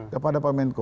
kepada pak menko